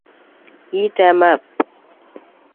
Eat 'em up!